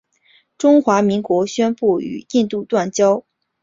中华民国宣布与印度断交。